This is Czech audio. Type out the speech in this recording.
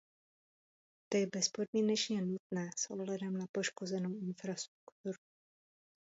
To je bezpodmínečně nutné s ohledem na poškozenou infrastrukturu.